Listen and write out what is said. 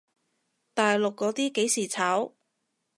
大陸嗰啲幾時炒？